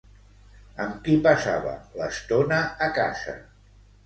Amb qui passava l'estona a casa?